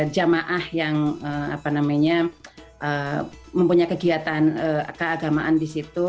jamaah yang mempunyai kegiatan keagamaan di situ